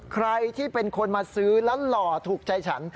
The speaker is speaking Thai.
ใครที่เป็นคนมาซื้อแล้วหล่อถูกใจฉัน